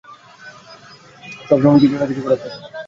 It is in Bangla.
সবসময় কিছু না কিছু করার থাকে।